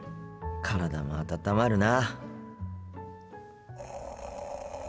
体も温まるな。